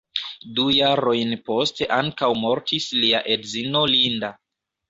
Du jarojn poste ankaŭ mortis lia edzino Linda.